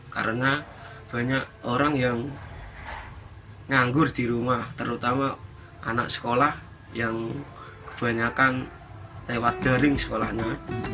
karena banyak orang yang nganggur di rumah terutama anak sekolah yang kebanyakan lewat dering sekolahnya